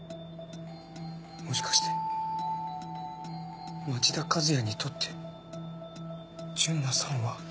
もしかして町田和也にとって純奈さんは。